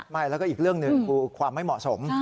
ไม่แล้วก็อีกเรื่องหนึ่งคือความไม่เหมาะสม